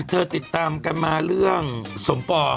ติดตามกันมาเรื่องสมปอง